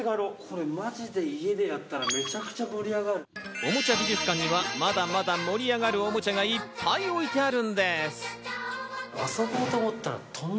おもちゃ美術館には、まだまだ盛り上がるおもちゃがいっぱい置いてあるんです。